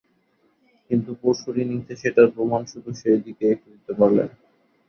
কিন্তু পরশুর ইনিংসে সেটার প্রমাণ শুধু শেষ দিকেই একটু দিতে পারলেন।